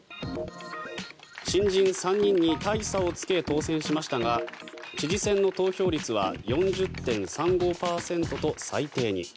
新人３人に大差をつけ当選しましたが知事選の投票率は４０．３５％と最低に。